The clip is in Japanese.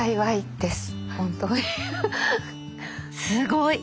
すごい！